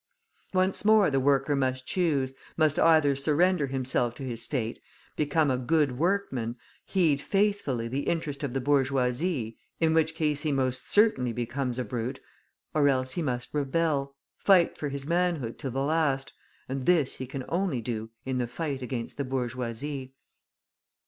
Once more the worker must choose, must either surrender himself to his fate, become a "good" workman, heed "faithfully" the interest of the bourgeoisie, in which case he most certainly becomes a brute, or else he must rebel, fight for his manhood to the last, and this he can only do in the fight against the bourgeoisie.